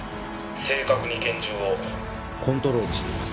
正確に拳銃をコントロールしています。